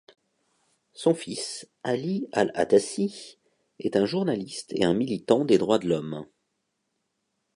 Son fils, Ali al-Atassi, est un journaliste et un militant des droits de l'homme.